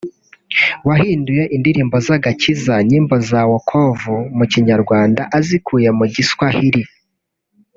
wahinduye Indirimbo z’Agakiza (Nyimbo za Wokovu) mu Kinyarwanda azikuye mu Giswahili